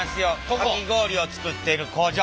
かき氷を作っている工場。